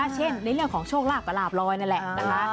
เช่นในเรื่องของโชคลาภกับหลาบลอยนั่นแหละนะคะ